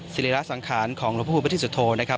ศรีริราชสำคัญของพระผู้พระธิสุทธโทนะครับ